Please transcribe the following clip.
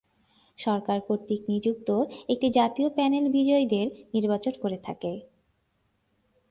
সরকার কর্তৃক নিযুক্ত একটি জাতীয় প্যানেল বিজয়ীদের নির্বাচন করে থাকে।